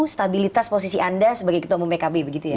stabilitas posisi anda sebagai ketua umum pkb begitu ya